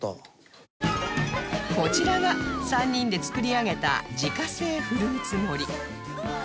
こちらが３人で作り上げた自家製フルーツ盛り